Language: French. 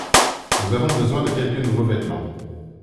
Nous avons besoin de quelques nouveaux vêtements.